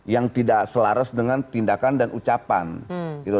yang tidak selaras dengan tindakan dan ucapan gitu